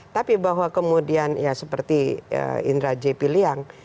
tapi bahwa kemudian ya seperti indra j piliang